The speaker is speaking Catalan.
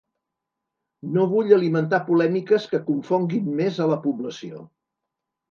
No vull alimentar polèmiques que confonguin més a la població.